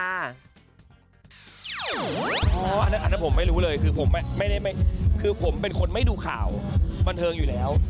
อันนั้นผมไม่รู้เลยคือผมเป็นคนไม่ดูข่าวบรรเทิงอยู่แล้ว